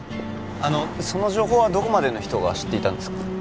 その情報はどこまでの人が知っていたんですか？